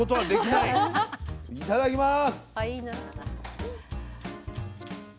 いただきます。